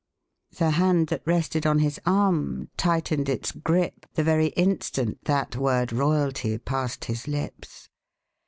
The hand that rested on his arm tightened its grip the very instant that word royalty passed his lips.